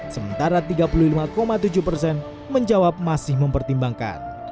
sementara tiga puluh lima tujuh persen menjawab masih mempertimbangkan